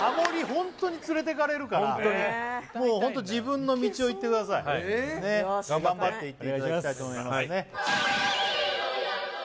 ホントにつれていかれるからもうホント自分の道を行ってください頑張っていっていただきたいと思います